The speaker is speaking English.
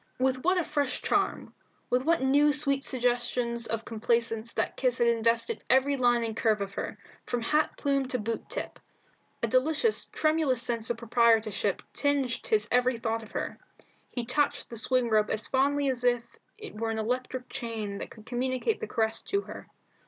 With what a fresh charm, with what new sweet suggestions of complaisance that kiss had invested every line and curve of her, from hat plume to boot tip! A delicious tremulous sense of proprietorship tinged his every thought of her. He touched the swing rope as fondly as if it were an electric chain that could communicate the caress to her.